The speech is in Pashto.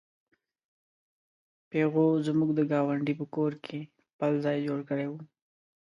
پيغو زموږ د ګاونډي په کور کې خپل ځای جوړ کړی و.